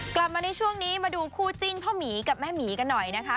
กลับมาในช่วงนี้มาดูคู่จิ้นพ่อหมีกับแม่หมีกันหน่อยนะคะ